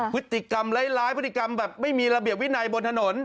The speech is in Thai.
พฤติกรรมร้ายพฤติกรรมแบบไม่มีระเบียบวินัยบนถนน